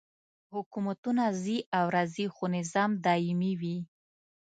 حکومتونه ځي او راځي خو نظام دایمي وي.